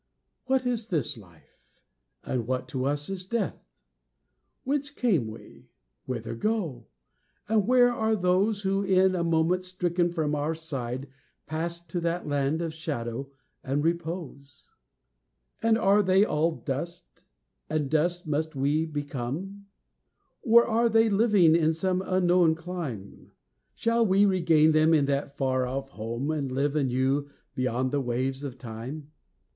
"What is this life? and what to us is death? Whence came we? whither go? and where are those Who, in a moment stricken from our side, Passed to that land of shadow and repose? "And are they all dust? and dust must we become? Or are they living in some unknown clime? Shall we regain them in that far off home, And live anew beyond the waves of time?